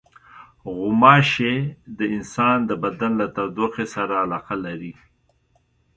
غوماشې د انسان د بدن له تودوخې سره علاقه لري.